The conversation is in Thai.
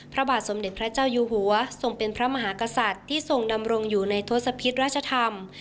พระบาทสมเด็จพระเจ้าอยู่หัวทรงเป็นพระมหากษัตริย์ที่ทรงดำรงอยู่ในทศพิษราชธรรม